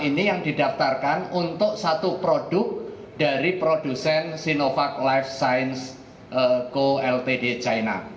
ini yang didaftarkan untuk satu produk dari produsen sinovac life science co ltd china